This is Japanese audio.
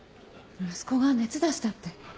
息子が熱出したって。